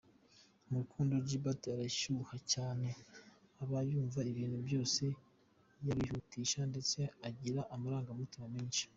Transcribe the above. Mu rukundo, Gilbert arashyuha cyane, aba yumva ibintu byose yabihutisha ndetse agira amarangamutima menshi.